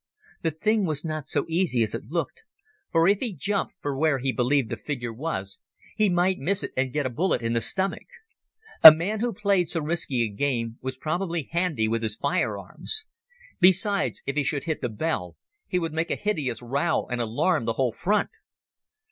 The thing was not so easy as it looked, for if he jumped for where he believed the figure was, he might miss it and get a bullet in the stomach. A man who played so risky a game was probably handy with his firearms. Besides, if he should hit the bell, he would make a hideous row and alarm the whole front.